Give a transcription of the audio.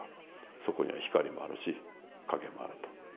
そこには光もあるし、影もあると。